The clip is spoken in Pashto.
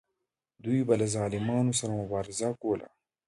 دوی به له ظالمانو سره مبارزه کوله.